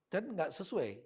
dan enggak sesuai